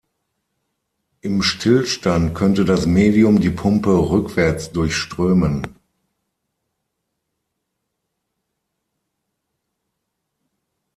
Im Stillstand könnte das Medium die Pumpe rückwärts durchströmen.